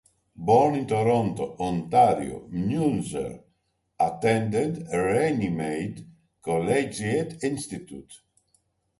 Born in Toronto, Ontario, Muenzer attended Runnymede Collegiate Institute.